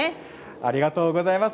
ありがとうございます。